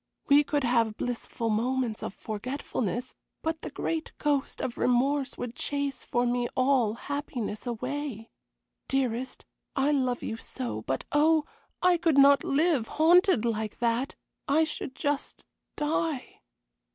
We could have blissful moments of forgetfulness, but the great ghost of remorse would chase for me all happiness away. Dearest, I love you so; but oh, I could not live, haunted like that; I should just die."